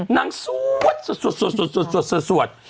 นางสวดสวดสวดสวด